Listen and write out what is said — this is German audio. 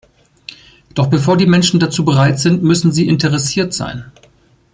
Doch bevor die Menschen dazu bereit sind, müssen sie interessiert sein.